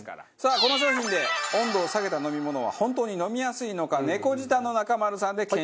この商品で温度を下げた飲み物は本当に飲みやすいのか猫舌の中丸さんで検証してみましょう。